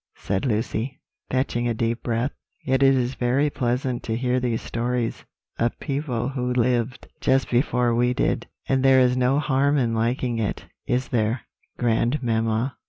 said Lucy, fetching a deep breath; "yet it is very pleasant to hear these stories of people who lived just before we did; and there is no harm in liking it, is there, grandmamma?"